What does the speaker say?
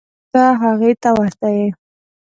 ته هغې ته ورته یې.